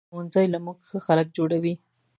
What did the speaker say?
ښوونځی له مونږ ښه خلک جوړوي